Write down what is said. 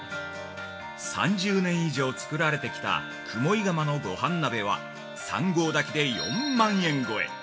◆３０年以上作られてきた雲井窯のごはん鍋は３合炊きで４万円超え！